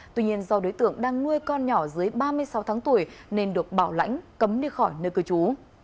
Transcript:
tuy nhiên do đối tượng đang nuôi con nhỏ dưới ba mươi sáu tháng tuổi nên được bảo lãnh cấm đi khỏi nơi cư trú